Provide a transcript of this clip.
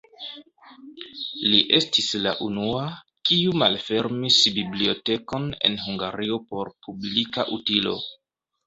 Li estis la unua, kiu malfermis bibliotekon en Hungario por publika utilo.